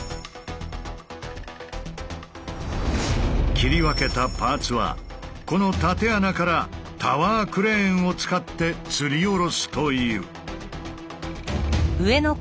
切り分けたパーツはこの縦穴からタワークレーンを使ってつり下ろすという。